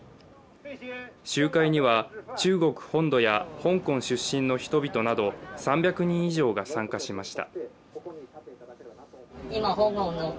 集会には、中国本土や香港出身の人々など３００人以上が参加しました。